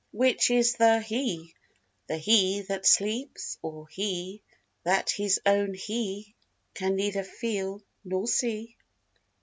Which is the "he"—the "he" that sleeps, or "he" That his own "he" can neither feel nor see?